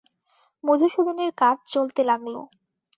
মধুসূদনের কাজ চলতে লাগল।